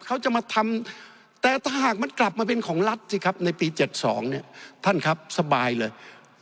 เขาจะมาทำแต่ถ้าหากมันกลับมาเป็นของรัฐสิครับในปี๗๒เนี่ยท่านครับสบายเลย